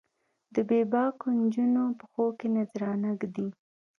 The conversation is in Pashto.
د بې باکو نجونو پښو کې نذرانه ږدي